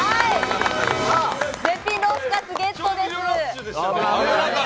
絶品ロースかつゲットです。